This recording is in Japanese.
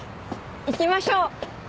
行きましょう！